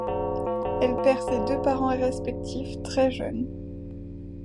Elle perd ses deux parents respectifs très jeune.